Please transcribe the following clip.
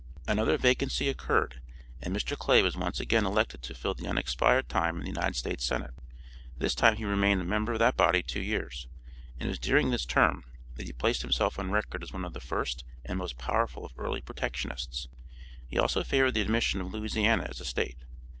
Another vacancy occurred and Mr. Clay was again elected to fill the unexpired time in the United States Senate. This time he remained a member of that body two years, and it was during this term that he placed himself on record as one of the first and most powerful of early protectionists; he also favored the admission of Louisiana as a State.